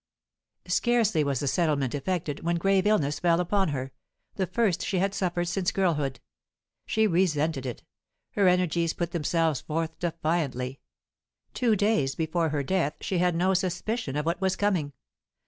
Scarcely was the settlement effected, when grave illness fell upon her, the first she had suffered since girlhood. She resented it; her energies put themselves forth defiantly; two days before her death she had no suspicion of what was coming.